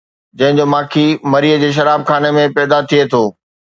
جنهن جو ماکي مري جي شراب خاني ۾ پيدا ٿئي ٿو.